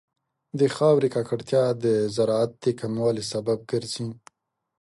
د خاورې ککړتیا د زراعت د کموالي سبب ګرځي.